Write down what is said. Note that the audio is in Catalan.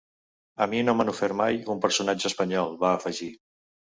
A mi no m’han ofert mai un personatge espanyol, va afegir.